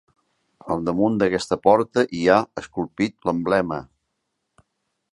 Al damunt d'aquesta porta hi ha, esculpit, l'emblema.